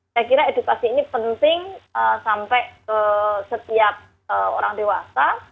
saya kira edukasi ini penting sampai ke setiap orang dewasa